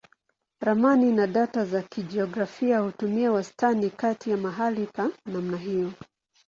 Ramani na data za kijiografia hutumia wastani kati ya mahali pa namna hiyo.